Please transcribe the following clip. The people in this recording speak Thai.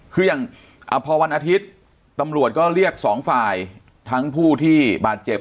คืออย่างพอวันอาทิตย์ตำรวจก็เรียกสองฝ่ายทั้งผู้ที่บาดเจ็บ